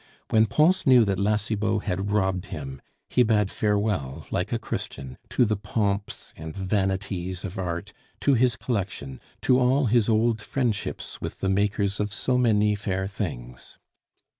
When Pons knew that La Cibot had robbed him, he bade farewell, like a Christian, to the pomps and vanities of Art, to his collection, to all his old friendships with the makers of so many fair things.